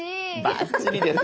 バッチリです。